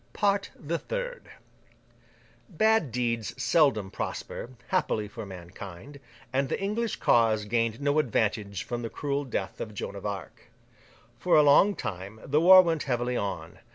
PART THE THIRD Bad deeds seldom prosper, happily for mankind; and the English cause gained no advantage from the cruel death of Joan of Arc. For a long time, the war went heavily on.